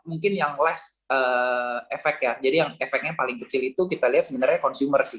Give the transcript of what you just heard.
mungkin yang less efek ya jadi yang efeknya paling kecil itu kita lihat sebenarnya consumer sih